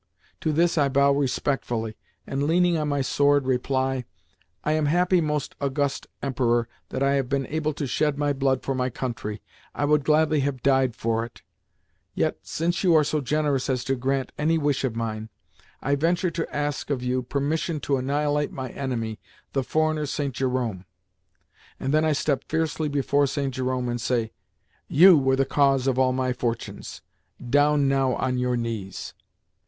To this I bow respectfully, and, leaning on my sword, reply, "I am happy, most august Emperor, that I have been able to shed my blood for my country. I would gladly have died for it. Yet, since you are so generous as to grant any wish of mine, I venture to ask of you permission to annihilate my enemy, the foreigner St. Jerome" And then I step fiercely before St. Jerome and say, "you were the cause of all my fortunes! Down now on your knees!"